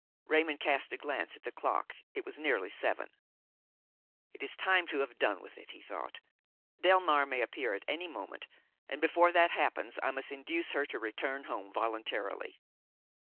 Raymon cast a glance at the clock; it was nearly seven. "It is time to have done with it," he thought; "Delmare may appear at any moment, and before that happens I must induce her to return home voluntarily."